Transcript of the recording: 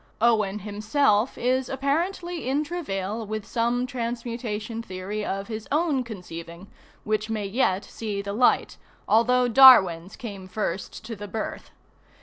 Owen himself is apparently in travail with some transmutation theory of his own conceiving, which may yet see the light, although Darwin's came first to the birth.